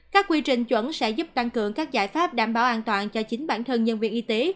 các quy trình chuẩn sẽ giúp tăng cường các giải pháp đảm bảo an toàn cho chính bản thân nhân viên y tế